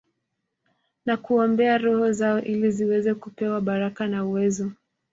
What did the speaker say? Na kuombea roho zao ili ziweze kupewa baraka na uwezo